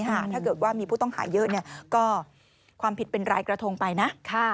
ถ้าเกิดว่ามีผู้ต้องหาเยอะก็ความผิดเป็นรายกระทงไปนะ